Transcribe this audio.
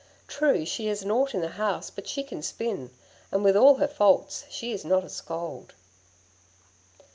True, she is nought in the house, but she can spin. And with all her faults she is not a scold.'